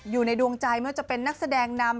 อยู่ในดวงใจไม่ว่าจะเป็นนักแสดงนำ